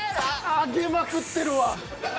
上げまくってるわ。